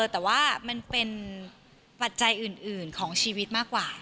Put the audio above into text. แต่ว่ามันเป็นปัจจัยอื่นของชีวิตมากกว่า